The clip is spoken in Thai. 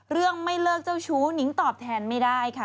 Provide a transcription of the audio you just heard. เรื่องไม่เลิกเจ้าชู้นิ้งตอบแทนไม่ได้ค่ะ